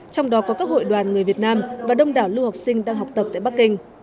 trong đó có các hội đoàn người việt nam và đông đảo lưu học sinh đang học tập tại bắc kinh